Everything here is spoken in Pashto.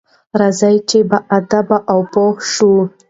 راځئ چې باادبه او پوه شو.